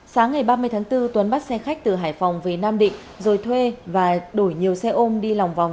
sáng ngày ba mươi tháng bốn tuấn bắt xe khách từ hải phòng về nam định rồi thuê và đổi nhiều xe ôm đi lòng vòng